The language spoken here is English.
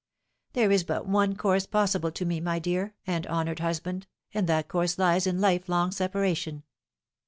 "There is but one course possible to me, my dear and honoured husband, and that course lies in life long separation.